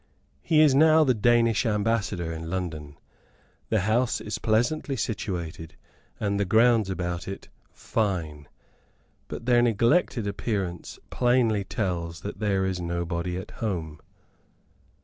He is now the Danish Ambassador in London. The house is pleasantly situated, and the grounds about it fine; but their neglected appearance plainly tells that there is nobody at home.